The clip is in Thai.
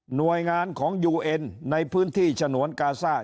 หน่วยงานของยูเอ็นในพื้นที่ฉนวนกาซ่า